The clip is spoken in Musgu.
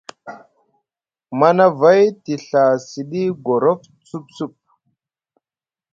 Manavay te Ɵa siɗi gorof sup sup.